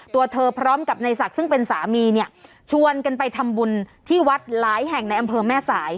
ตัวเธอพร้อมกับในศักดิ์ซึ่งเป็นสามีเนี่ยชวนกันไปทำบุญที่วัดหลายแห่งในอำเภอแม่สาย